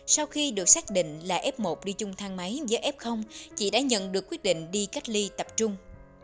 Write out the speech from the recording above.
sau khi được xác định là f một đi chung thang máy với f chị đã nhận được quyết định đi cách ly tập trung